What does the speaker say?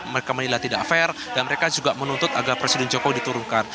mereka menilai tidak fair dan mereka juga menuntut agar presiden jokowi diturunkan